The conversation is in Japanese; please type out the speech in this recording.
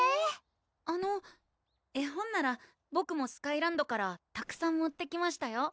あの絵本ならボクもスカイランドからたくさん持ってきましたよ